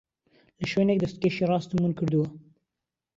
لە شوێنێک دەستکێشی ڕاستم ون کردووە.